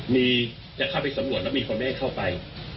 มีจะเข้าไปสะบวนแล้วมีพ่อแม่เข้าไป